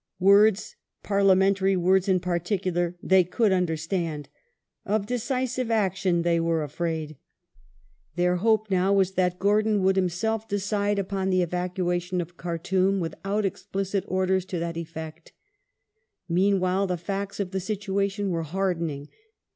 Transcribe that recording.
Words — parliamentary words in particular — ^they could understand ; of decisive action they were afraid. Their hope now was that Gordon would himself decide upon the evacuation of Khartoum without explicit orders to that effect. Meanwhile, the facts of the situation were hardening.